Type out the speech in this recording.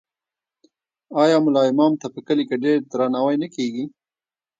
آیا ملا امام ته په کلي کې ډیر درناوی نه کیږي؟